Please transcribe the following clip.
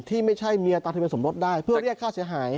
ที่ไม่ใช่เมียตอนทะเบียสมรสได้เพื่อเรียกค่าเสียหาย